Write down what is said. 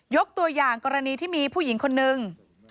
ยกตัวอย่างกรณีที่มีผู้หญิงคนนึง